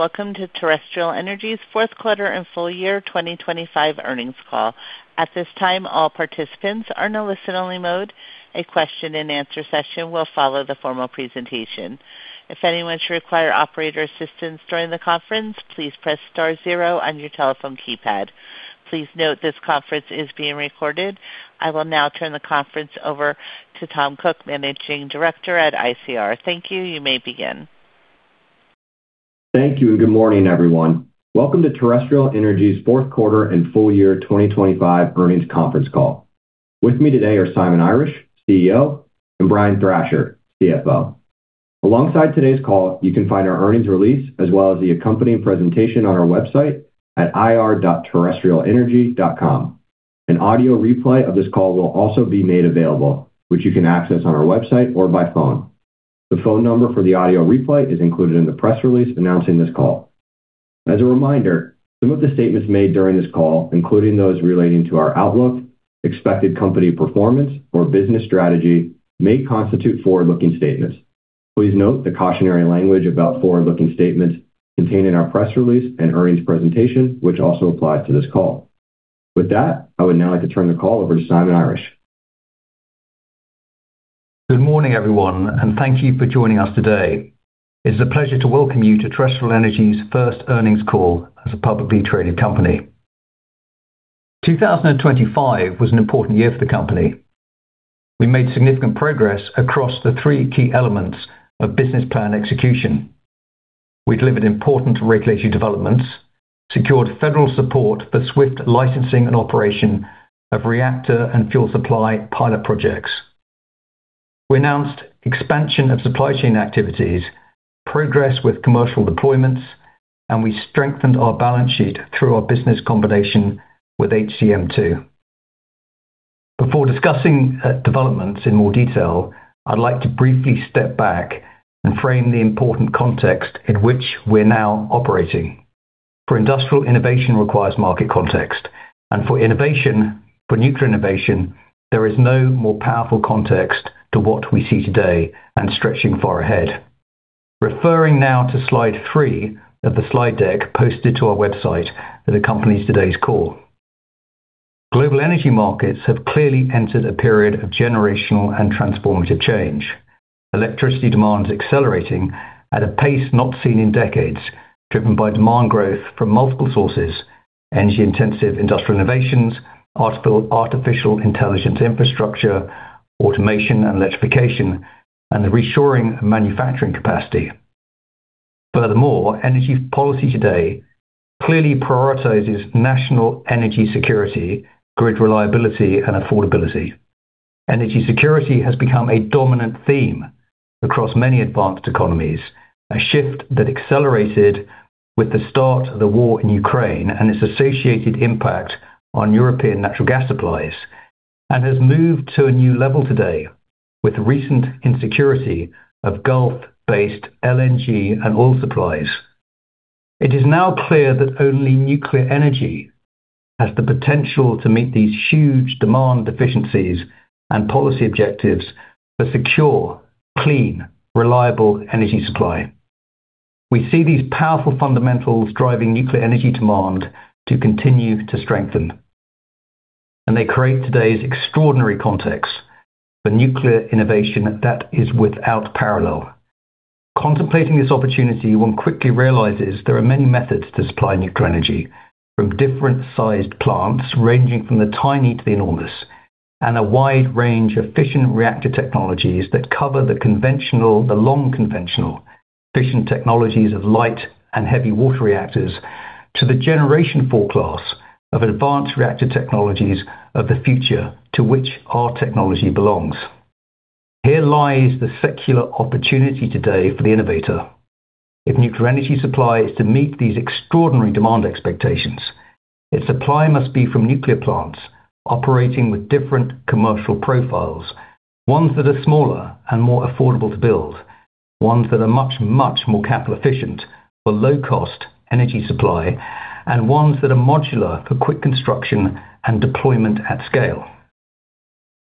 Welcome to Terrestrial Energy's Q4 and full-year 2025 earnings call. At this time, all participants are in a listen-only mode. A question-and-answer session will follow the formal presentation. If anyone should require operator assistance during the conference, please press star zero on your telephone keypad. Please note this conference is being recorded. I will now turn the conference over to Tom Cook, Managing Director at ICR. Thank you. You may begin. Thank you and good morning, everyone. Welcome to Terrestrial Energy's Q4 and full-year 2025 earnings conference call. With me today are Simon Irish, CEO, and Brian Thrasher, CFO. Alongside today's call, you can find our earnings release as well as the accompanying presentation on our website at ir.terrestrialenergy.com. An audio replay of this call will also be made available, which you can access on our website or by phone. The phone number for the audio replay is included in the press release announcing this call. As a reminder, some of the statements made during this call, including those relating to our outlook, expected company performance or business strategy, may constitute forward-looking statements. Please note the cautionary language about forward-looking statements contained in our press release and earnings presentation, which also applies to this call. With that, I would now like to turn the call over to Simon Irish. Good morning, everyone, and thank you for joining us today. It's a pleasure to welcome you to Terrestrial Energy's first earnings call as a publicly traded company. 2025 was an important year for the company. We made significant progress across the three key elements of business plan execution. We delivered important regulatory developments and secured federal support for the swift licensing and operation of reactor and fuel supply pilot projects. We announced the expansion of supply chain activities, progress with commercial deployments, and we strengthened our balance sheet through our business combination with HCM II. Before discussing developments in more detail, I'd like to briefly step back and frame the important context in which we're now operating. For industrial innovation requires a market context, and for nuclear innovation, there is no more powerful context than what we see today and stretching far ahead. Referring now to slide 3 of the slide deck posted to our website that accompanies today's call. Global energy markets have clearly entered a period of generational and transformative change. Electricity demand is accelerating at a pace not seen in decades, driven by demand growth from multiple sources, energy-intensive industrial innovations, artificial intelligence infrastructure, automation and electrification, and the reshoring of manufacturing capacity. Furthermore, energy policy today clearly prioritizes national energy security, grid reliability, and affordability. Energy security has become a dominant theme across many advanced economies, a shift that accelerated with the start of the war in Ukraine and its associated impact on European natural gas supplies, and has moved to a new level today with the recent insecurity of Gulf-based LNG and oil supplies. It is now clear that only nuclear energy has the potential to meet these huge demand deficiencies and policy objectives for a secure, clean, reliable energy supply. We see these powerful fundamentals driving nuclear energy demand to continue to strengthen, and they create today's extraordinary context for nuclear innovation that is without parallel. Contemplating this opportunity, one quickly realizes there are many methods to supply nuclear energy from different-sized plants ranging from the tiny to the enormous, and a wide range of fission reactor technologies that cover the conventional, the long conventional fission technologies of light and heavy water reactors, to the Generation IV class of advanced reactor technologies of the future to which our technology belongs. Here lies the secular opportunity today for the innovator. If nuclear energy supply is to meet these extraordinary demand expectations, its supply must be from nuclear plants operating with different commercial profiles, ones that are smaller and more affordable to build, ones that are much, much more capital efficient for low-cost energy supply, and ones that are modular for quick construction and deployment at scale.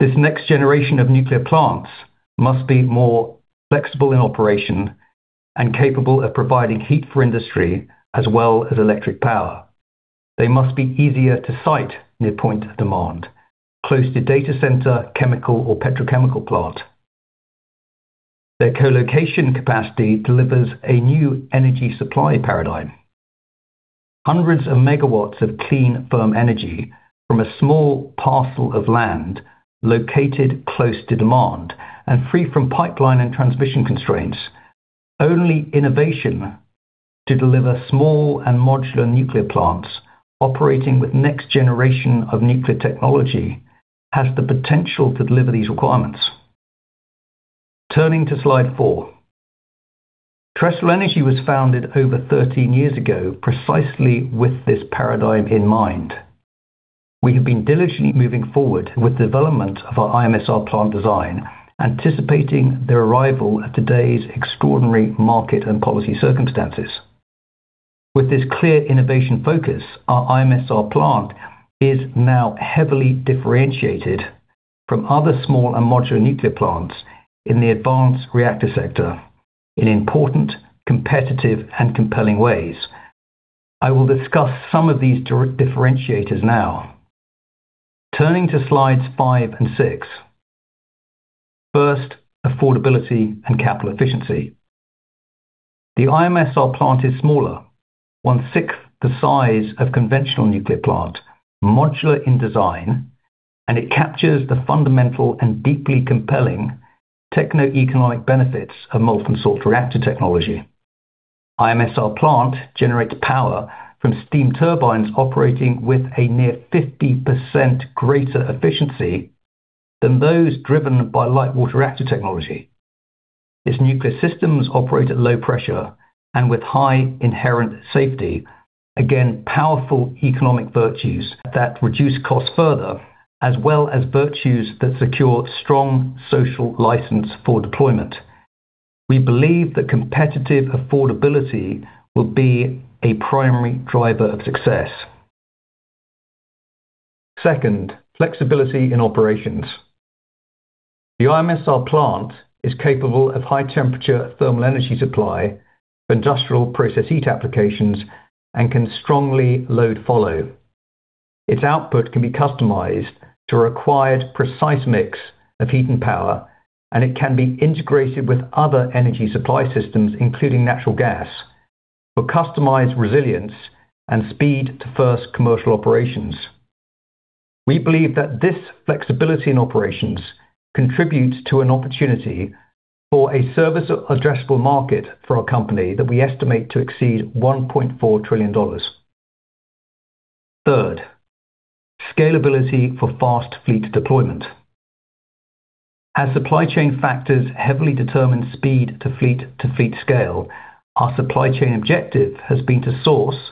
This next generation of nuclear plants must be more flexible in operation and capable of providing heat for industry as well as electric power. They must be easier to site near the point of demand, close to a data center, chemical, or petrochemical plant. Their co-location capacity delivers a new energy supply paradigm. Hundreds of megawatts of clean, firm energy from a small parcel of land located close to demand and free from pipeline and transmission constraints. Only innovation to deliver small and modular nuclear plants operating with the next generation of nuclear technology has the potential to deliver these requirements. Turning to slide 4. Terrestrial Energy was founded over 13 years ago, precisely with this paradigm in mind. We have been diligently moving forward with the development of our IMSR plant design, anticipating the arrival of today's extraordinary market and policy circumstances. With this clear innovation focus, our IMSR plant is now heavily differentiated from other small and modular nuclear plants in the advanced reactor sector in important, competitive, and compelling ways. I will discuss some of these differentiators now. Turning to slides 5 and 6. First, affordability and capital efficiency. The IMSR plant is smaller, one-sixth the size of a conventional nuclear plant, modular in design, and it captures the fundamental and deeply compelling techno-economic benefits of molten salt reactor technology. IMSR plant generates power from steam turbines operating with a near 50% greater efficiency than those driven by light water reactor technology. Its nuclear systems operate at low pressure and with high inherent safety. Again, powerful economic virtues that reduce costs further, as well as virtues that secure a strong social license for deployment. We believe that competitive affordability will be a primary driver of success. Second, flexibility in operations. The IMSR plant is capable of high-temperature thermal energy supply for industrial process heat applications and can strongly load follow. Its output can be customized to a required precise mix of heat and power, and it can be integrated with other energy supply systems, including natural gas, for customized resilience and speed to first commercial operations. We believe that this flexibility in operations contributes to an opportunity for a service addressable market for our company that we estimate to exceed $1.4 trillion. Third, scalability for fast fleet deployment. As supply chain factors heavily determine speed to fleet scale, our supply chain objective has been to source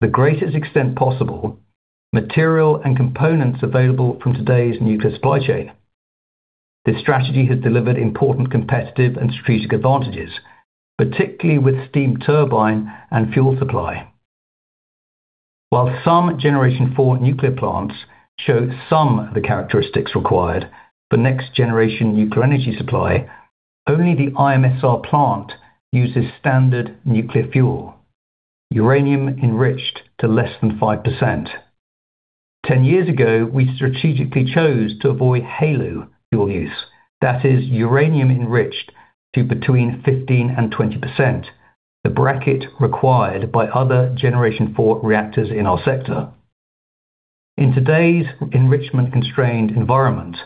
the greatest extent possible, materials and components available from today's nuclear supply chain. This strategy has delivered important competitive and strategic advantages, particularly with steam turbine and fuel supply. While some Generation IV nuclear plants show some of the characteristics required for next-generation nuclear energy supply, only the IMSR plant uses standard nuclear fuel, uranium enriched to less than 5%. 10 years ago, we strategically chose to avoid HALEU fuel use. That is uranium enriched to between 15%-20%, the bracket required by other Generation IV reactors in our sector. In today's enrichment-constrained environment,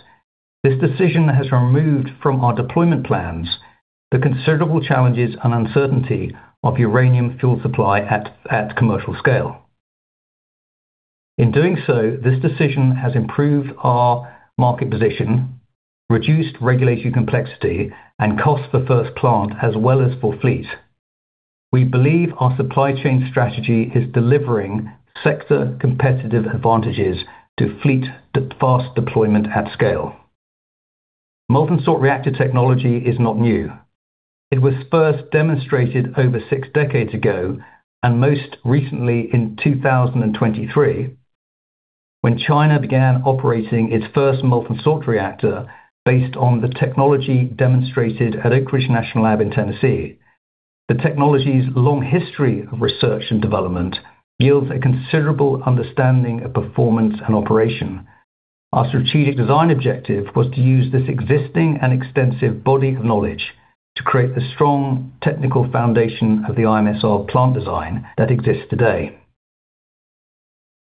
this decision has removed from our deployment plans the considerable challenges and uncertainty of uranium fuel supply at a commercial scale. In doing so, this decision has improved our market position, reduced regulatory complexity and cost for the first plant as well as for the fleet. We believe our supply chain strategy is delivering sector competitive advantages for fleet fast deployment at scale. Molten salt reactor technology is not new. It was first demonstrated over six decades ago and most recently in 2023, when China began operating its first molten salt reactor based on the technology demonstrated at Oak Ridge National Lab in Tennessee. The technology's long history of research and development yields a considerable understanding of performance and operation. Our strategic design objective was to use this existing and extensive body of knowledge to create the strong technical foundation of the IMSR plant design that exists today.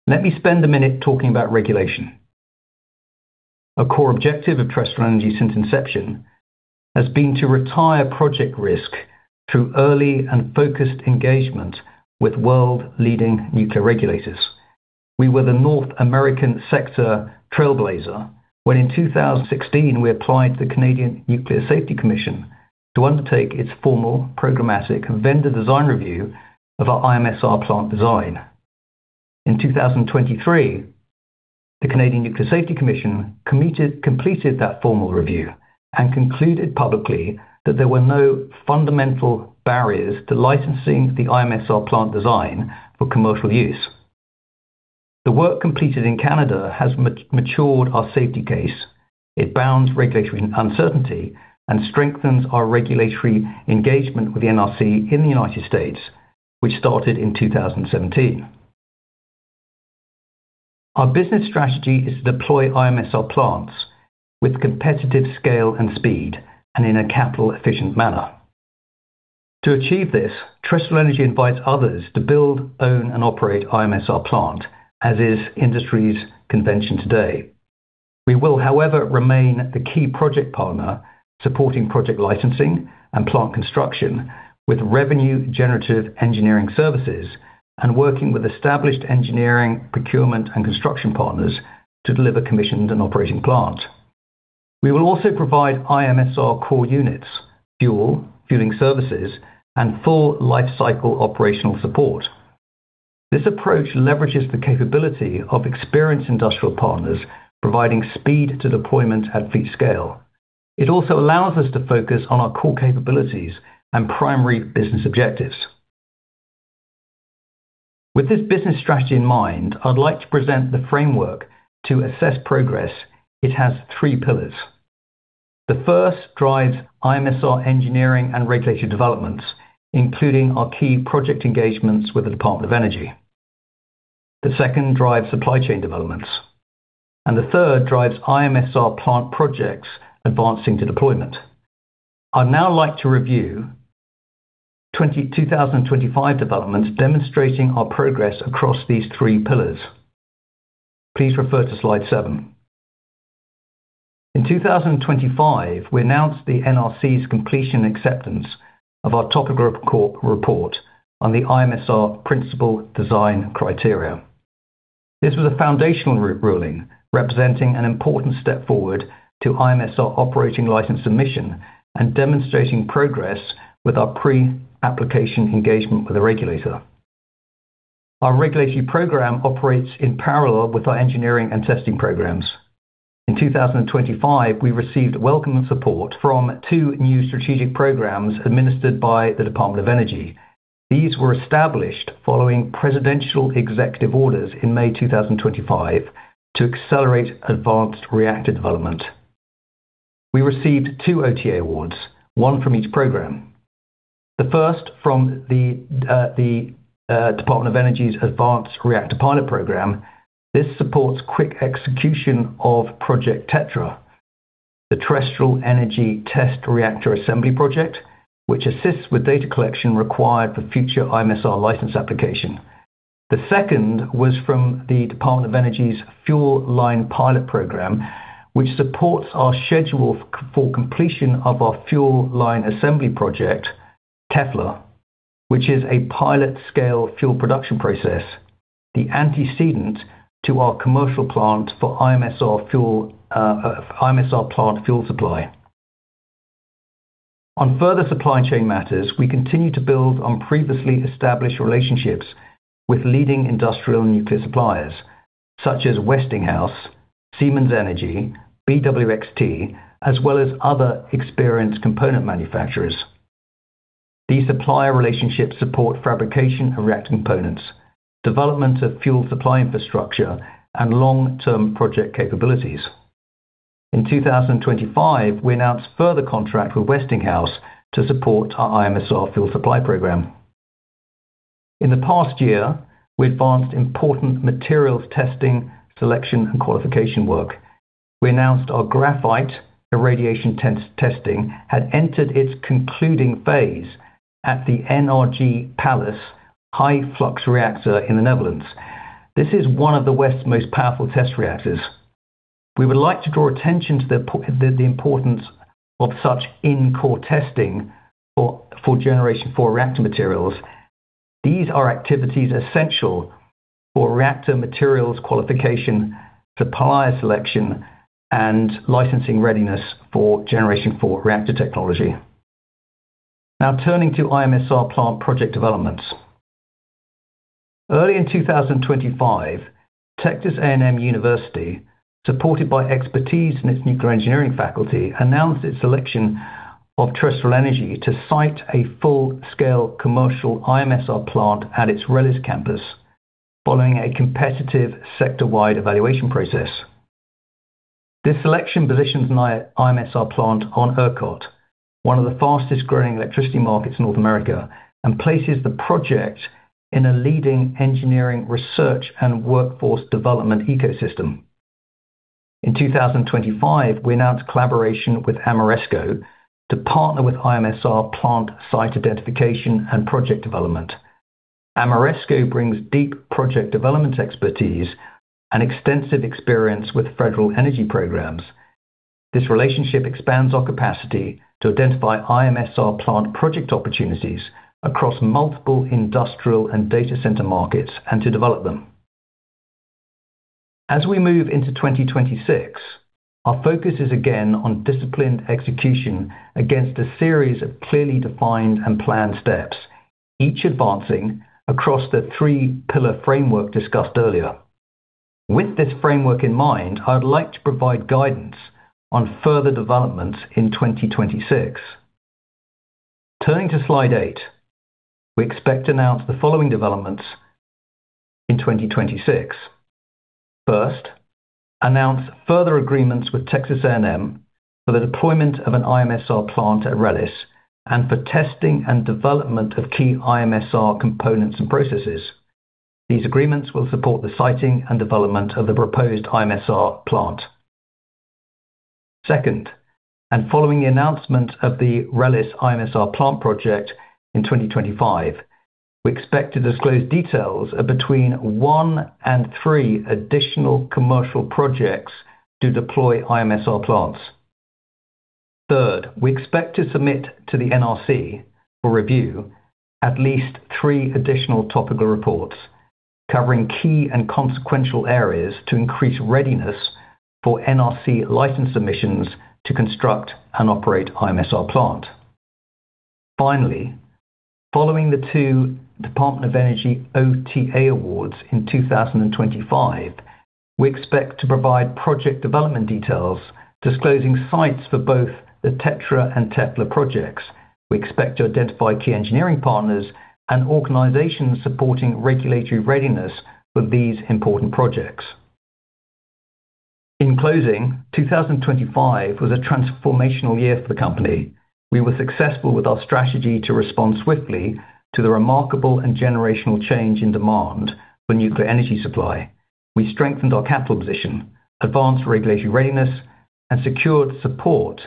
Let me spend a minute talking about regulation. A core objective of Terrestrial Energy since inception has been to reduce project risk through early and focused engagement with world-leading nuclear regulators. We were the North American sector trailblazer when, in 2016, we applied to the Canadian Nuclear Safety Commission to undertake its formal programmatic vendor design review of our IMSR plant design. In 2023, the Canadian Nuclear Safety Commission completed that formal review and concluded publicly that there were no fundamental barriers to licensing the IMSR plant design for commercial use. The work completed in Canada has matured our safety case. It bounds regulatory uncertainty and strengthens our regulatory engagement with the NRC in the United States, which started in 2017. Our business strategy is to deploy IMSR plants with competitive scale and speed, and in a capital-efficient manner. To achieve this, Terrestrial Energy invites others to build, own, and operate an IMSR plant, as is the industry's convention today. We will, however, remain the key project partner supporting project licensing and plant construction with revenue-generative engineering services and working with established engineering, procurement, and construction partners to deliver commissioned and operating plants. We will also provide IMSR core units, fuel, fueling services, and full lifecycle operational support. This approach leverages the capability of experienced industrial partners, providing speed to deployment at fleet scale. It also allows us to focus on our core capabilities and primary business objectives. With this business strategy in mind, I'd like to present the framework to assess progress. It has three pillars. The first drives IMSR engineering and regulatory developments, including our key project engagements with the Department of Energy. The second drives supply chain developments, and the third drives IMSR plant projects advancing to deployment. I'd now like to review 2025 developments demonstrating our progress across these three pillars. Please refer to slide 7. In 2025, we announced the NRC's completion acceptance of our topical report on the IMSR principal design criteria. This was a foundational ruling, representing an important step forward to IMSR operating license submission and demonstrating progress with our pre-application engagement with the regulator. Our regulatory program operates in parallel with our engineering and testing programs. In 2025, we received welcome and support from two new strategic programs administered by the U.S. Department of Energy. These were established following presidential executive orders in May 2025 to accelerate advanced reactor development. We received two OTA awards, one from each program. The first is from the Department of Energy's Advanced Reactor Pilot Program. This supports quick execution of Project TETRA, the Terrestrial Energy Test Reactor Assembly project, which assists with data collection required for future IMSR license application. The second was from the Department of Energy's Fuel Line Pilot Program, which supports our schedule for completion of our fuel line assembly project, TEFLA, which is a pilot-scale fuel production process, the antecedent to our commercial plant for IMSR fuel, IMSR plant fuel supply. On further supply chain matters, we continue to build on previously established relationships with leading industrial nuclear suppliers such as Westinghouse, Siemens Energy, BWXT, and other experienced component manufacturers. These supplier relationships support the fabrication of reactor components, the development of fuel supply infrastructure, and long-term project capabilities. In 2025, we announced a further contract with Westinghouse to support our IMSR fuel supply program. In the past year, we advanced important materials testing, selection, and qualification work. We announced our graphite irradiation test had entered its concluding phase at the NRG Pallas high flux reactor in the Netherlands. This is one of the West's most powerful test reactors. We would like to draw attention to the importance of such in-core testing for Generation IV reactor materials. These are activities essential for reactor materials qualification, for supplier selection, and licensing readiness for Generation IV reactor technology. Now turning to IMSR plant project developments. Early in 2025, Texas A&M University, supported by expertise in its nuclear engineering faculty, announced its selection of Terrestrial Energy to site a full-scale commercial IMSR plant at its RELLIS Campus following a competitive sector-wide evaluation process. This selection positions an IMSR plant on ERCOT, one of the fastest-growing electricity markets in North America, and places the project in a leading engineering, research, and workforce development ecosystem. In 2025, we announced a collaboration with Ameresco to partner with IMSR on plant site identification and project development. Ameresco brings deep project development expertise and extensive experience with federal energy programs. This relationship expands our capacity to identify IMSR plant project opportunities across multiple industrial and data center markets and to develop them. As we move into 2026, our focus is again on disciplined execution against a series of clearly defined and planned steps, each advancing across the 3-pillar framework discussed earlier. With this framework in mind, I'd like to provide guidance on further developments in 2026. Turning to slide 8, we expect to announce the following developments in 2026. First, announce further agreements with Texas A&M for the deployment of an IMSR plant at RELLIS and for testing and development of key IMSR components and processes. These agreements will support the siting and development of the proposed IMSR plant. Second, following the announcement of the RELLIS IMSR plant project in 2025, we expect to disclose details of between 1 and 3 additional commercial projects to deploy IMSR plants. Third, we expect to submit to the NRC for review at least 3 additional topical reports covering key and consequential areas to increase readiness for NRC license submissions to construct and operate the IMSR plant. Finally, following the two Department of Energy OTA awards in 2025, we expect to provide project development details disclosing sites for both the TETRA and TEFLA projects. We expect to identify key engineering partners and organizations supporting regulatory readiness for these important projects. In closing, 2025 was a transformational year for the company. We were successful with our strategy to respond swiftly to the remarkable and generational change in demand for nuclear energy supply. We strengthened our capital position, advanced regulatory readiness, and secured support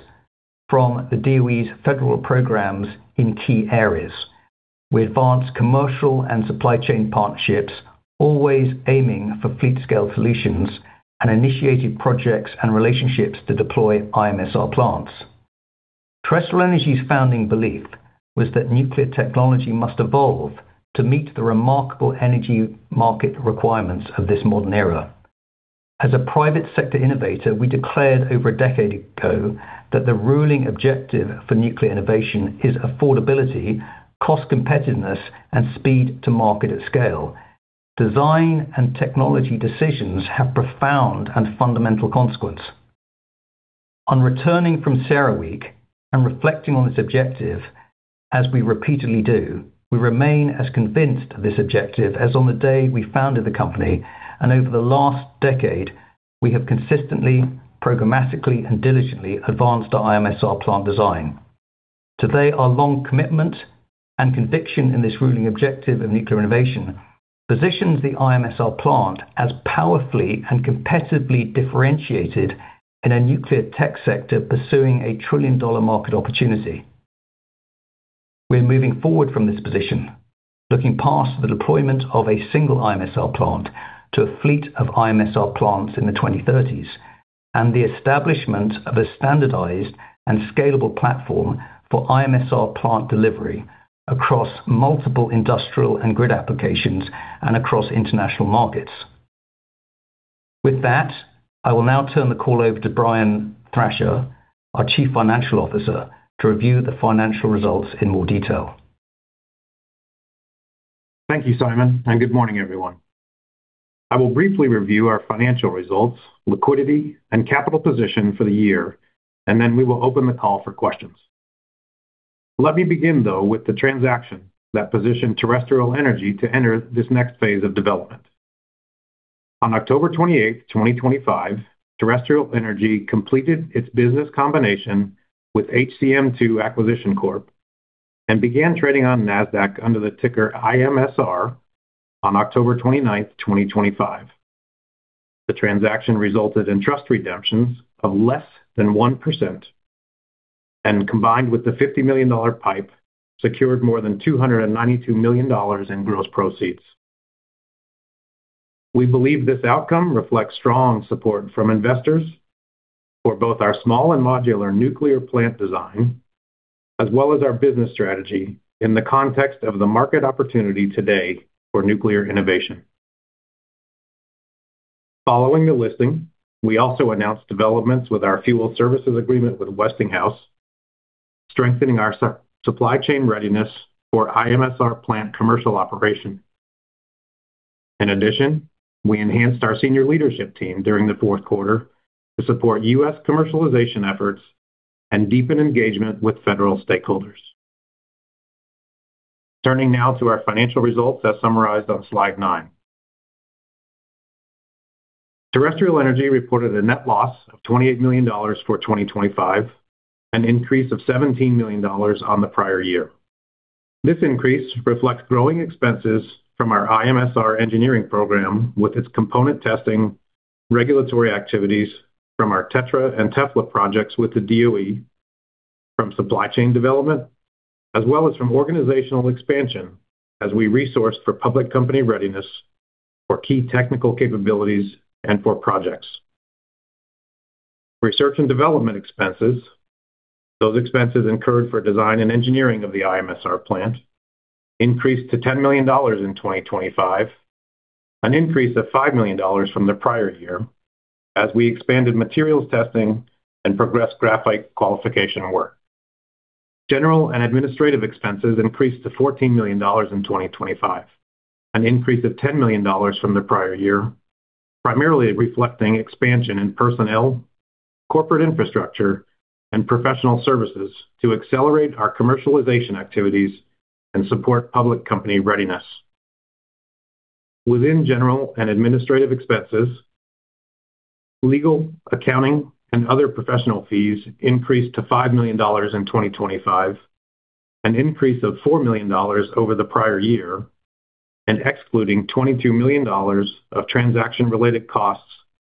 from the DOE's federal programs in key areas. We advanced commercial and supply chain partnerships, always aiming for fleet-scale solutions, and initiated projects and relationships to deploy IMSR plants. Terrestrial Energy's founding belief was that nuclear technology must evolve to meet the remarkable energy market requirements of this modern era. As a private sector innovator, we declared over a decade ago that the ruling objective for nuclear innovation is affordability, cost competitiveness, and speed to market at scale. Design and technology decisions have profound and fundamental consequences. On returning from CERAWeek and reflecting on this objective, as we repeatedly do, we remain as convinced of this objective as on the day we founded the company, and over the last decade, we have consistently, programmatically, and diligently advanced our IMSR plant design. Today, our long commitment and conviction in this ruling objective of nuclear innovation positions the IMSR plant as powerfully and competitively differentiated in a nuclear tech sector pursuing a trillion-dollar market opportunity. We're moving forward from this position, looking past the deployment of a single IMSR plant to a fleet of IMSR plants in the 2030s, and the establishment of a standardized and scalable platform for IMSR plant delivery across multiple industrial and grid applications and across international markets. With that, I will now turn the call over to Brian Thrasher, our Chief Financial Officer, to review the financial results in more detail. Thank you, Simon, and good morning, everyone. I will briefly review our financial results, liquidity, and capital position for the year, and then we will open the call for questions. Let me begin, though, with the transaction that positioned Terrestrial Energy to enter this next phase of development. On October 28, 2025, Terrestrial Energy completed its business combination with HCM II Acquisition Corp. and began trading on Nasdaq under the ticker IMSR on October 29, 2025. The transaction resulted in trust redemptions of less than 1%, and combined with the $50 million PIPE, secured more than $292 million in gross proceeds. We believe this outcome reflects strong support from investors for both our small and modular nuclear plant design as well as our business strategy in the context of the market opportunity today for nuclear innovation. Following the listing, we also announced developments with our fuel services agreement with Westinghouse, strengthening our supply chain readiness for the IMSR plant commercial operation. In addition, we enhanced our senior leadership team during Q4 to support U.S. commercialization efforts and deepen engagement with federal stakeholders. Turning now to our financial results as summarized on slide 9. Terrestrial Energy reported a net loss of $28 million for 2025, an increase of $17 million on the prior year. This increase reflects growing expenses from our IMSR engineering program with its component testing, regulatory activities from our TETRA and TEFLA projects with the DOE, from supply chain development, as well as from organizational expansion as we resource for public company readiness for key technical capabilities and for projects. Research and development expenses, those expenses incurred for design and engineering of the IMSR plant, increased to $10 million in 2025, an increase of $5 million from the prior year, as we expanded materials testing and progressed graphite qualification work. General and administrative expenses increased to $14 million in 2025, an increase of $10 million from the prior year, primarily reflecting expansion in personnel, corporate infrastructure, and professional services to accelerate our commercialization activities and support public company readiness. Within general and administrative expenses, legal, accounting, and other professional fees increased to $5 million in 2025, an increase of $4 million over the prior year, and excluding $22 million of transaction-related costs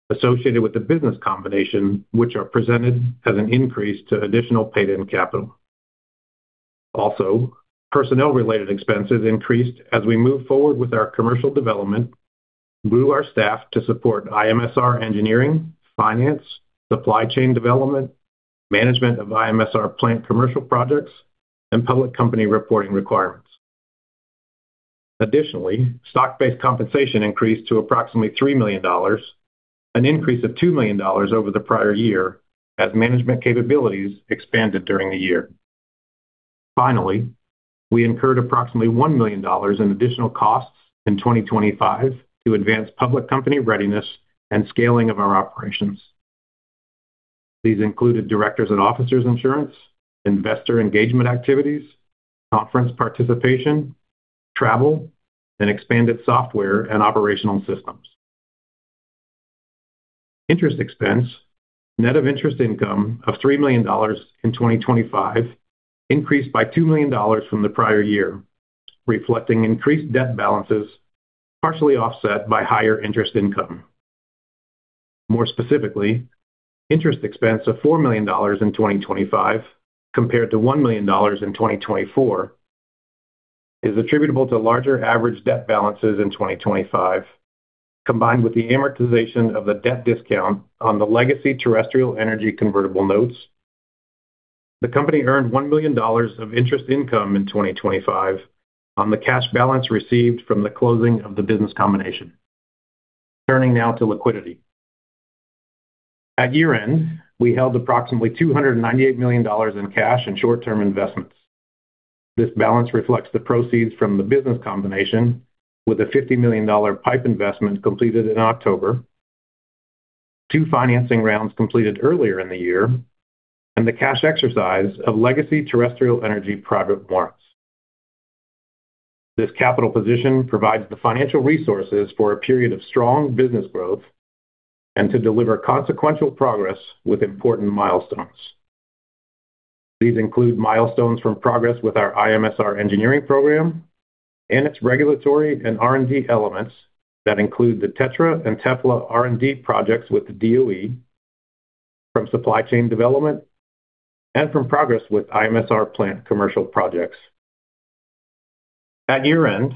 associated with the business combination, which are presented as an increase to additional paid-in capital. Also, personnel-related expenses increased as we moved forward with our commercial development, grew our staff to support IMSR engineering, finance, supply chain development, management of IMSR plant commercial projects, and public company reporting requirements. Additionally, stock-based compensation increased to approximately $3 million, an increase of $2 million over the prior year as management capabilities expanded during the year. Finally, we incurred approximately $1 million in additional costs in 2025 to advance public company readiness and scaling of our operations. These included directors and officers insurance, investor engagement activities, conference participation, travel, and expanded software and operational systems. Interest expense, net of interest income of $3 million in 2025, increased by $2 million from the prior year, reflecting increased debt balances, partially offset by higher interest income. More specifically, the interest expense of $4 million in 2025 compared to $1 million in 2024 is attributable to larger average debt balances in 2025, combined with the amortization of the debt discount on the legacy Terrestrial Energy convertible notes. The company earned $1 million of interest income in 2025 on the cash balance received from the closing of the business combination. Turning now to liquidity. At year-end, we held approximately $298 million in cash and short-term investments. This balance reflects the proceeds from the business combination with a $50 million PIPE investment completed in October, two financing rounds completed earlier in the year, and the cash exercise of legacy Terrestrial Energy private warrants. This capital position provides the financial resources for a period of strong business growth and to deliver consequential progress with important milestones. These include milestones from progress with our IMSR engineering program and its regulatory and R&D elements, including the TETRA and TEFLA R&D projects with the DOE, from supply chain development, and from progress with IMSR plant commercial projects. At year-end,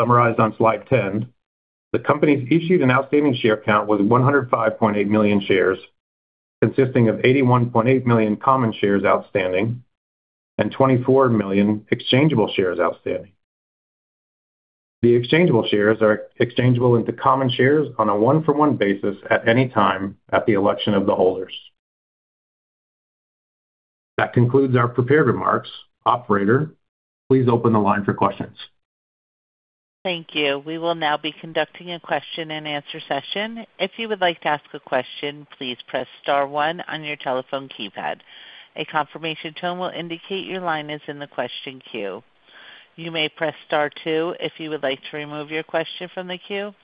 summarized on slide 10, the company's issued and outstanding share count was 105.8 million shares, consisting of 81.8 million common shares outstanding and 24 million exchangeable shares outstanding. The exchangeable shares are exchangeable into common shares on a one-for-one basis at any time at the election of the holders. That concludes our prepared remarks. Operator, please open the line for questions. Thank you. We will now be conducting a question-and-answer session. If you would like to ask a question, please press star 1 on your telephone keypad. A confirmation tone will indicate your line is in the question queue. You may press star 2 if you would like to remove your question from the queue.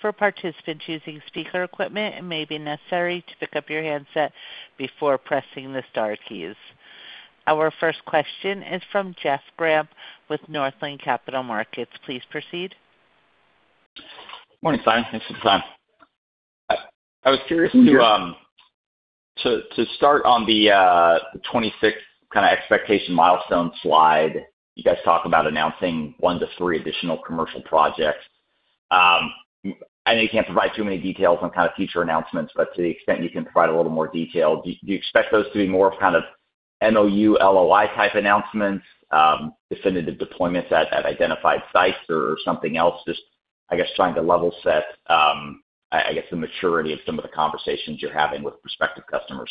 For participants using speaker equipment, it may be necessary to pick up your handset before pressing the star keys. Our first question is from Jeff Grampp with Northland Capital Markets. Please proceed. Morning, Simon. Thanks for the time. I was curious to start on the 26 kind of expectation milestone slide. You guys talk about announcing 1-3 additional commercial projects. I know you can't provide too many details on kind of future announcements, but to the extent you can provide a little more detail, do you expect those to be more of an MOU, LOI type announcements, definitive deployments at identified sites, or something else? Just, I guess, trying to level set, I guess, the maturity of some of the conversations you're having with prospective customers?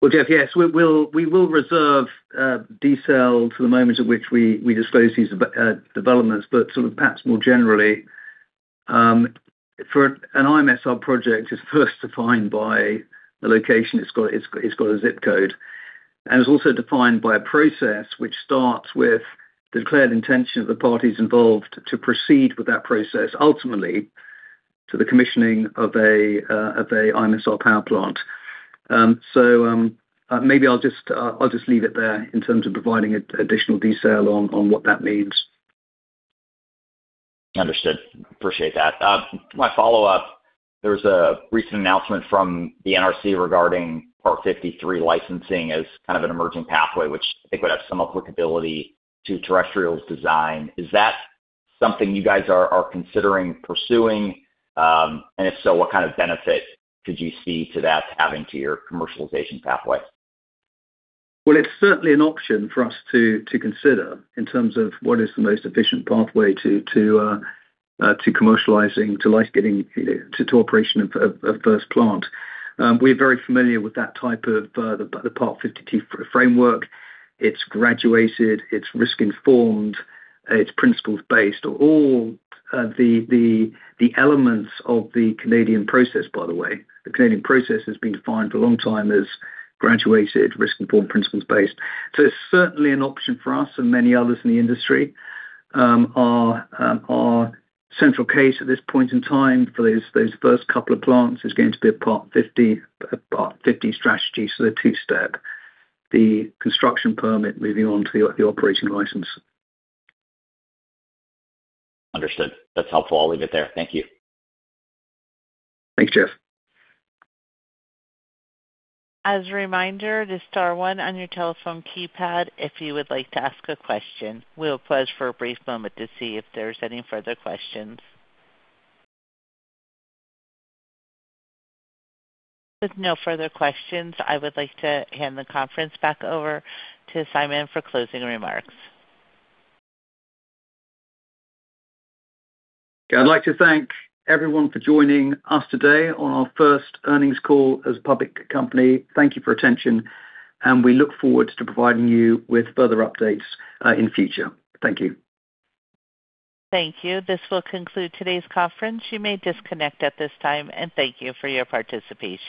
Well, Jeff, yes, we will reserve the detail to the moment at which we disclose these developments, but sort of perhaps more generally, for an IMSR project is first defined by the location. It's got a ZIP code, and it's also defined by a process which starts with the declared intention of the parties involved to proceed with that process, ultimately to the commissioning of an IMSR power plant. Maybe I'll just leave it there in terms of providing additional detail on what that means. Understood. Appreciate that. My follow-up, there was a recent announcement from the NRC regarding Part 53 licensing as a kind of an emerging pathway, which I think would have some applicability to Terrestrial's design. Is that something you guys are considering pursuing? If so, what kind of benefit could you see in that for your commercialization pathway? Well, it's certainly an option for us to consider in terms of what is the most efficient pathway to commercializing the operation of the first plant. We're very familiar with that type of Part 52 framework. It's graduated, it's risk-informed, it's principles-based. All the elements of the Canadian process, by the way. The Canadian process has been defined for a long time as graduated, risk-informed, principles-based. It's certainly an option for us and many others in the industry. Our central case at this point in time for those first couple of plants is going to be a Part 50 strategy, so a two-step. The construction permit is moving on to the operating license. Understood. That's helpful. I'll leave it there. Thank you. Thanks, Jeff. As a reminder, it is star 1 on your telephone keypad if you would like to ask a question. We'll pause for a brief moment to see, if there are any further questions. With no further questions, I would like to hand the conference back over to Simon for closing remarks. I'd like to thank everyone for joining us today on our first earnings call as a public company. Thank you for your attention, and we look forward to providing you with further updates in the future. Thank you. Thank you. This will conclude today's conference. You may disconnect at this time. Thank you for your participation.